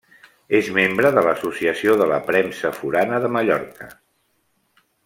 És membre de l'Associació de la Premsa Forana de Mallorca.